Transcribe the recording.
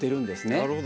なるほど。